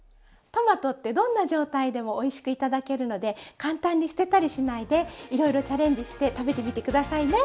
トマトってどんな状態でもおいしく頂けるので簡単に捨てたりしないでいろいろチャレンジして食べてみて下さいね。